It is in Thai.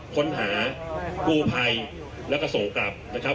ค้นหากู้ภัยแล้วก็ส่งกลับนะครับ